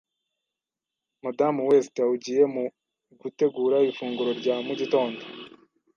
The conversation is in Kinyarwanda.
Madamu West ahugiye mu gutegura ifunguro rya mu gitondo.